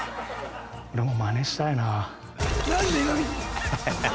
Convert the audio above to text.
俺もマネしたいな。